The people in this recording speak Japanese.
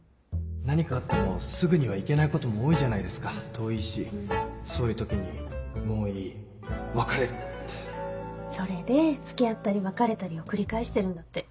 何かあってもすぐには行けないことも多いじゃないですか遠いしそういう時に「もういい別れる！」それで付き合ったり別れたりを繰り返してるんだって。